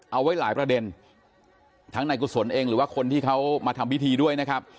เอาไว้หลายประเด็นทั้งนายกุศลเองหรือว่าคนที่เขามาทำพิธีด้วยนะครับ